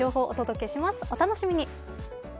お楽しみに。